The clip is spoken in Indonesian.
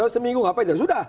seminggu apa itu